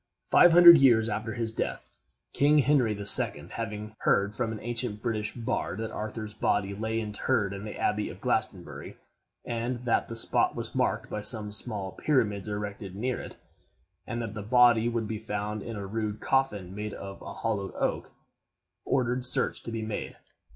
Five hundred years after his death, King Henry the Second, having heard from an ancient British bard that Arthur's body lay interred in the Abbey of Glastonbury, and that the spot was marked by some small pyramids erected near it, and that the body would be found in a rude coffin made of a hollowed oak, ordered search to be made.